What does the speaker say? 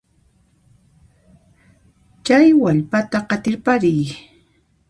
Chay wallpata qatirpariy.